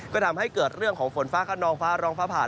ก็ทำให้เกิดเรื่องของฝนฟ้าขนองฟ้าร้องฟ้าผ่า